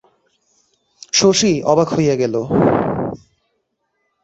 শশী অবাক হইয়া গেল।